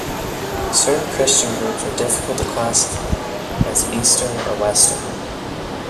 Certain Christian groups are difficult to classify as "Eastern" or "Western.